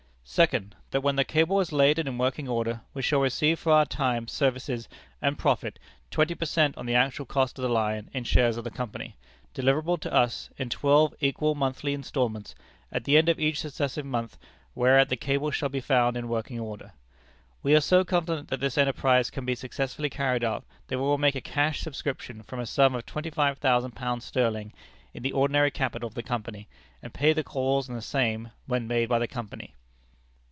"Second. That when the cable is laid and in working order, we shall receive for our time, services, and profit twenty per cent on the actual cost of the line, in shares of the Company, deliverable to us, in twelve equal monthly instalments, at the end of each successive month whereat the cable shall be found in working order. "We are so confident that this enterprise can be successfully carried out, that we will make a cash subscription for a sum of twenty five thousand pounds sterling in the ordinary capital of the Company, and pay the calls on the same when made by the Company.